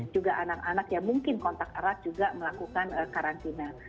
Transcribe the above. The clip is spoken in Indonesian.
juga anak anak yang mungkin kontak erat juga melakukan karantina